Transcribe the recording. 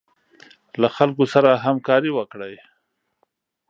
له خلکو سره همکاري وکړئ.